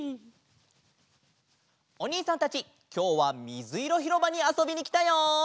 おにいさんたちきょうはみずいろひろばにあそびにきたよ！